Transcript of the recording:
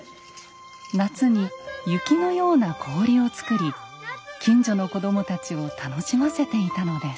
夏に雪のような氷を作り近所の子供たちを楽しませていたのです。